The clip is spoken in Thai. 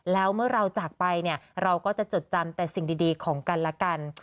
แล้วเมื่อเราจากไปเนี่ยเราก็จะจดจำแต่สิ่งดีของกันและกัน